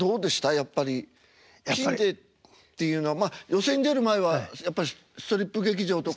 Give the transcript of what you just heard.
やっぱりピンでっていうのはまあ寄席に出る前はやっぱりストリップ劇場とか。